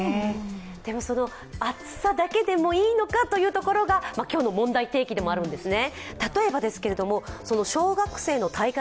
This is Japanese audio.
その熱さだけでもいいのかというところが今日の問題提起でもあるんですね。